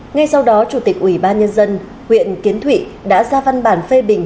ngay sau đó chủ tịch ủy ban nhân dân huyện kiến thụy đã ra văn bản phê bình